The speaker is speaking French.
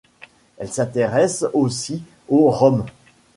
Elle s'intéresse aussi aux roms.